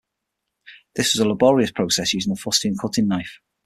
This was a laborious process using a fustian cutting knife.